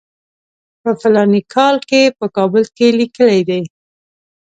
په فلاني کال کې په کابل کې لیکلی دی.